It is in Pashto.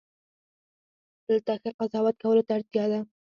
دلته ښه قضاوت کولو ته اړتیا ده.